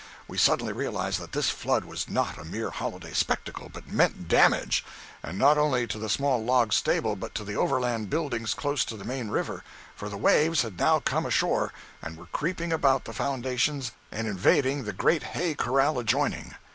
We suddenly realized that this flood was not a mere holiday spectacle, but meant damage—and not only to the small log stable but to the Overland buildings close to the main river, for the waves had now come ashore and were creeping about the foundations and invading the great hay corral adjoining.